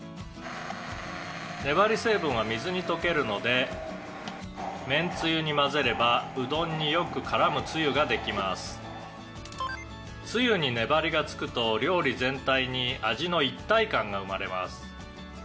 「粘り成分は水に溶けるのでめんつゆに混ぜればうどんによく絡むつゆができます」「つゆに粘りがつくと料理全体に味の一体感が生まれます」